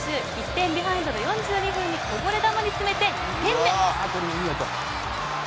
１点ビハインドの４２分にこぼれ球に詰めて２点目。